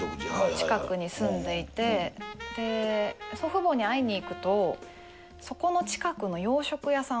近くに住んでいてで祖父母に会いにいくとそこの近くの洋食屋さん